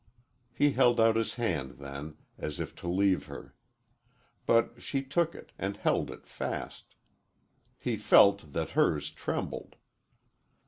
He held out his hand then, as if to leave her. But she took it and held it fast. He felt that hers trembled.